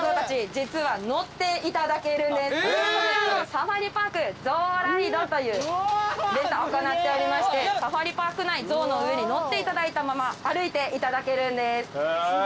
サファリパークゾウライドというイベント行っておりましてサファリパーク内象の上に乗っていただいたまま歩いていただけるんです。